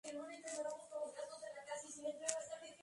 Las diferencias entre los partidos reaparecieron tras esa breve tregua.